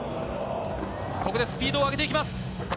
ここでスピードを上げていきます。